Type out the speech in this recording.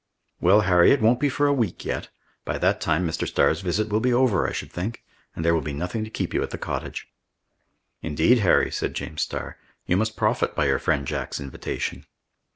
"Well, Harry, it won't be for a week yet. By that time Mr. Starr's visit will be over, I should think, and there will be nothing to keep you at the cottage." "Indeed, Harry," said James Starr, "you must profit by your friend Jack's invitation."